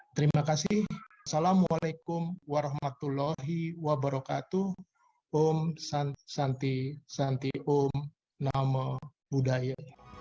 terima kasih assalamualaikum warahmatullahi wabarakatuh om santi santi um namo buddhaya